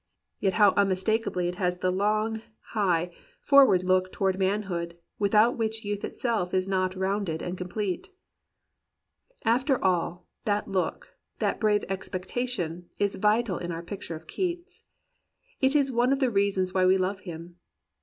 Yet how unmistakably it has the long, high, forward look toward manhood, without which youth itself is not rounded and complete ! 186 THE POET OF IMMORTAL YOUTH After all, that look, that brave expectation, is vital in our picture of Keats. It is one of the reasons why we love him.